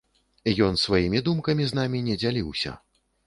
Ён сваімі думкамі з намі не дзяліўся.